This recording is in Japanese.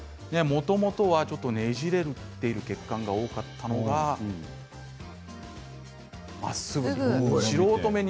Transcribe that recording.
ねじれている血管が多かったのがまっすぐに。